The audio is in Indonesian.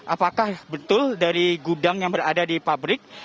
apakah betul dari gudang yang berada di pabrik